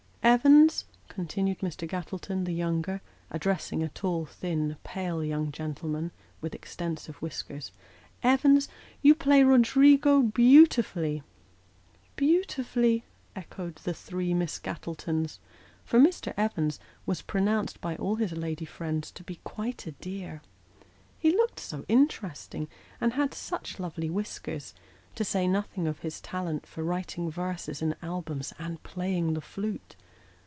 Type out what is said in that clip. " Evans," continued Mr. Gattleton, the younger, addressing a tall, thin, pale young gentleman, with extensive whiskers, " Evans, you play Roderigo beautifully." "Beautifully," echoed the three Miss Gattletons; for Mr. Evans was pronounced by all his lady friends to be "quite a dear." He looked so interesting, and had such lovely whiskers : to say nothing of his talent for writing verses in albums and playing the flute!